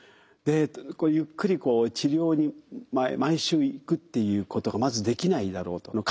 でゆっくりこう治療に毎週行くっていうことがまずできないだろうと。